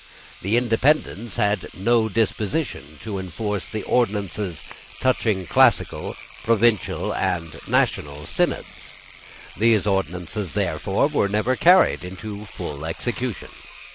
The Independents had no disposition to enforce the ordinances touching classical, provincial, and national synods. Those ordinances, therefore, were never carried into full execution.